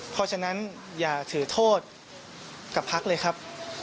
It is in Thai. เพราะฉะนั้นอย่าถือโทษกับพักเลยครับ